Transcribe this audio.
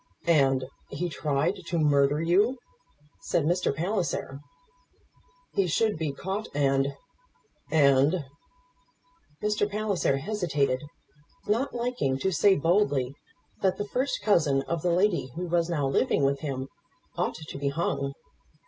"And he tried to murder you!" said Mr. Palliser. "He should be caught and, and " Mr. Palliser hesitated, not liking to say boldly that the first cousin of the lady who was now living with him ought to be hung.